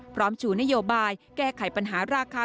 พร้อมฉู่นโยบายแก้ไขปัญหาราคา